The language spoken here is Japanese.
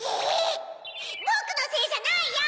ぼくのせいじゃないよ！